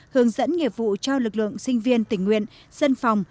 hướng dẫn nghiệp vụ cho lực lượng sinh viên tình nguyện dân phòng